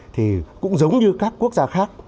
thì cũng giống như các quốc gia khác